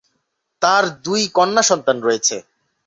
তার দুই কন্যা সন্তান রয়েছে।